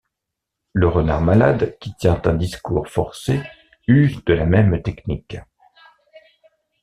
Le renard malade qui tient un discours forcé use de la même technique.